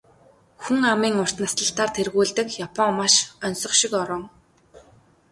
Хүн амын урт наслалтаар тэргүүлдэг Япон маш оньсого шиг орон.